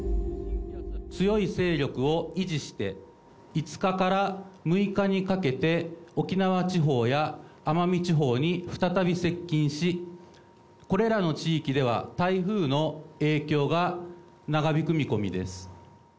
強い勢力を維持して、５日から６日にかけて、沖縄地方や奄美地方に再び接近し、これらの地域では、台風の影響が長引く見込みです。